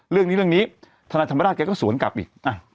เรื่องนี้เรื่องนี้ทนายธรรมราชแกก็สวนกลับอีก